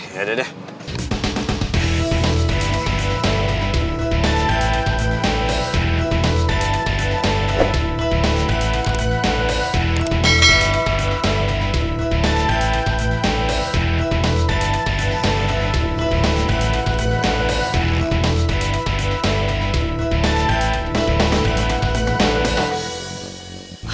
ya udah deh